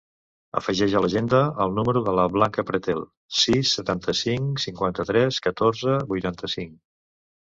Afegeix a l'agenda el número de la Bianca Pretel: sis, setanta-cinc, cinquanta-tres, catorze, vuitanta-cinc.